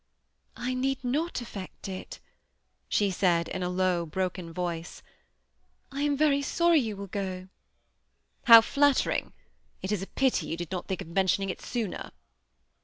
^I need not affect it/' she said in a low, broken w>ice. I am very sorry you will ga" *^ How flattering ! it is a pity you did not think of mentioning it sooner."